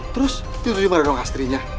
terus tidur dimana dong astrinya